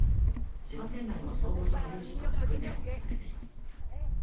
千葉県内の消防署の有志と訓練を重ねています。